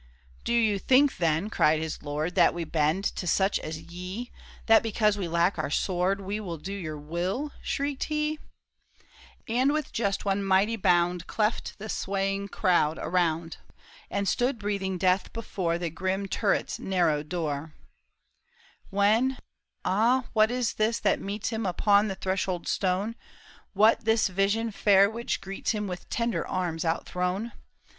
" Do you think, then," cried his lord, " That we bend to such as ye ? That because we lack our sword, We will do your will ?" shrieked he ; And with just one mighty bound Cleft the swaying crowd around, And stood breathing death before The grim turret's narrow door, 31 32 THE TOWER OF BOUVERIE. When — ah, what is this that meets Him upon the threshold stone ? What this vision fair which greets Him with tender arms outthrown